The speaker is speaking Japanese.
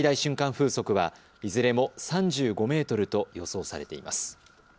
風速はいずれも３５メートルと予想されています。